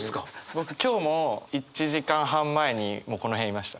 僕今日も１時間半前にもうこの部屋いました。